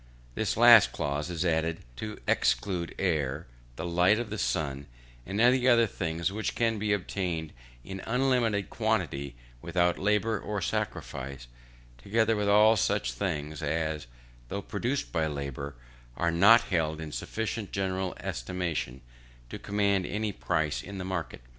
This last clause is added to exclude air, the light of the sun, and any other things which can be obtained in unlimited quantity without labour or sacrifice; together with all such things as, though produced by labour, are not held in sufficient general estimation to command any price in the market.